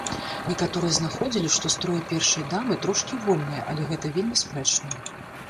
Некаторыя знаходзілі, што строі першай дамы трошкі вольныя, але гэта вельмі спрэчна.